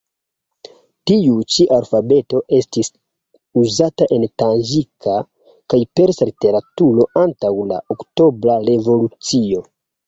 Tiu-ĉi alfabeto estis uzata en taĝika kaj persa literaturo antaŭ la Oktobra revolucio.